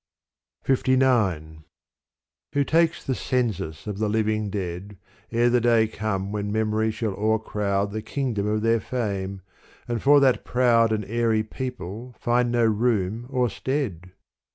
LIX Who takes the census of the living dead, Ere the day come when memory shall o'ercrowd The kingdom of their fame, and for that proud And airy people find no room nor stead